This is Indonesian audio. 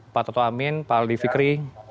pak toto amin pak aldi fikri